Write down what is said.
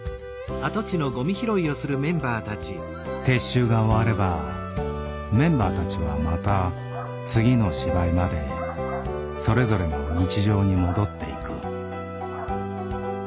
撤収が終わればメンバーたちはまた次の芝居までそれぞれの日常に戻っていく。